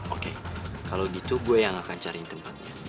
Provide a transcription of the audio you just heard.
oke kalau gitu gue yang akan cari tempatnya